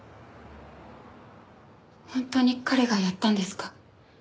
本当に彼がやったんですか？